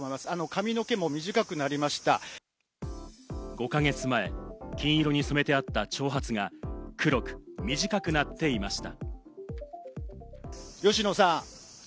５か月前、金色に染めてあった長髪が黒く短くなっていました。